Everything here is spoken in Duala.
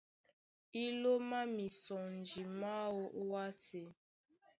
Í lómá mísɔnji máō ó wásē.